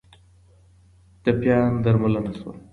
ټپیان درملنه شول